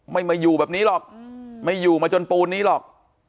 ไม่มาอยู่แบบนี้หรอกไม่อยู่มาจนปูนนี้หรอก